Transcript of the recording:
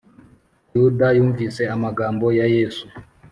yuda yumvise amagambo ya yesu